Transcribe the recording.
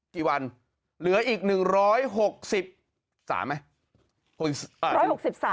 กี่วันเหลืออีก๑๖๐๓ไหม